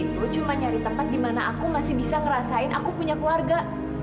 aku kesini itu cuma nyari tempat dimana aku masih bisa ngerasain aku punya keluarga